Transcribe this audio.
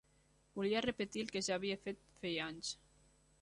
Volia repetir el que ja havia fet feia anys.